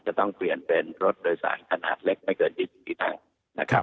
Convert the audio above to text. จะต้องเปลี่ยนเป็นรถโดยสารขนาดเล็กไม่เกิน๒๐ปีนั่งนะครับ